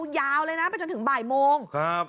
ยาวเลยนะไปจนถึงบ่ายโมงครับ